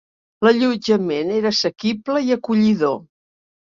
L'allotjament era assequible i acollidor.